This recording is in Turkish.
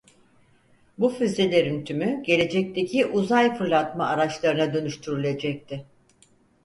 Bu füzelerin tümü gelecekteki uzay fırlatma araçlarına dönüştürülecekti.